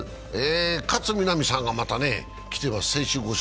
勝みなみさんがまた来ています。